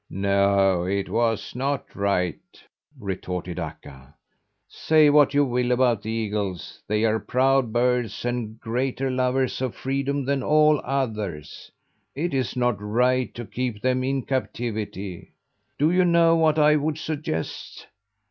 "No, it was not right!" retorted Akka. "Say what you will about the eagles, they are proud birds and greater lovers of freedom than all others. It is not right to keep them in captivity. Do you know what I would suggest?